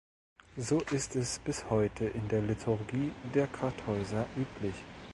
So ist es bis heute in der Liturgie der Kartäuser üblich.